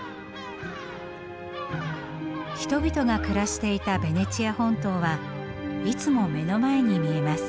人々が暮らしていたベネチア本島はいつも目の前に見えます。